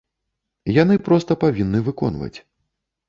Яны проста павінны выконваць.